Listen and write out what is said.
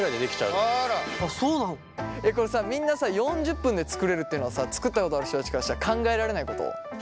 これさみんなさ４０分で作れるっていうのはさ作ったことある人たちからしたら考えられないこと？